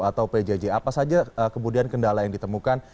apa saja kemudian kendala yang ditemukan